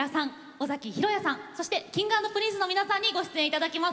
尾崎裕哉さんそしてＫｉｎｇ＆Ｐｒｉｎｃｅの皆さんにご出演頂きます。